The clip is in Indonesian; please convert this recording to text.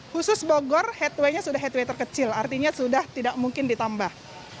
khusus bogor headway nya sudah headway terkecil artinya sudah tidak mungkin ditambah